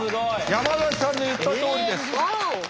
山崎さんの言ったとおりです。